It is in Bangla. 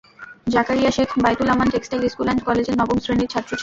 Zakaria Sheikh Baitul Aman textile school and কলেজের নবম শ্রেণির ছাত্র ছিল।